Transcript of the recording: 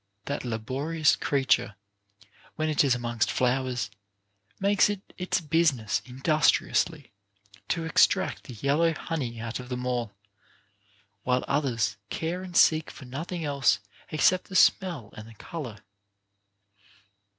That laborious creature, when it is amongst flowers, makes it its business industriously to extract the yellow honey out of them all ; while others care and seek for nothing else except the smell and the color.